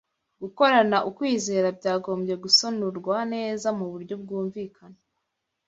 Gukorana ukwizera byagombye gusonurwa neza mu buryo bwumvikana